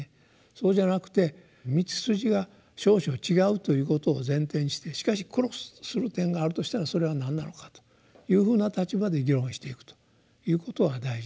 そうじゃなくて道筋が少々違うということを前提にしてしかしクロスする点があるとしたらそれは何なのかというふうな立場で議論をしていくということが大事で。